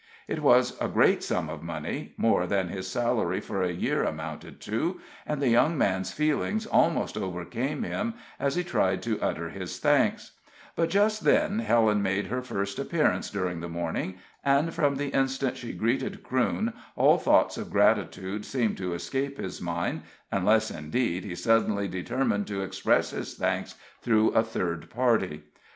It was a great sum of money more than his salary for a year amounted to and the young man's feelings almost overcame him as he tried to utter his thanks; but just then Helen made her first appearance during the morning, and from the instant she greeted Crewne all thoughts of gratitude seemed to escape his mind, unless, indeed, he suddenly determined to express his thanks through a third party.